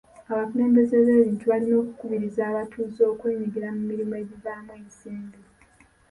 Abakulembeze b'ebintu balina okukubiriza abatuuze okwenyigira mu mirimu egivaamu ensimbi.